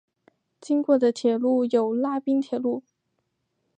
经过的铁路有拉滨铁路。